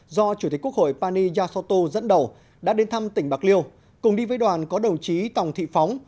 do chủ tịch quốc hội pani yathoto dẫn đầu đã đến thăm tỉnh bạc liêu cùng đi với đoàn có đồng chí tòng thị phóng